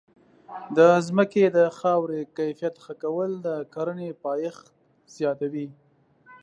د ځمکې د خاورې کیفیت ښه کول د کرنې پایښت زیاتوي.